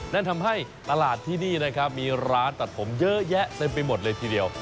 นั่นทำให้ตลาดที่นี่นะครับมีร้านตัดผมเยอะแยะเต็มไปหมดเลยทีเดียว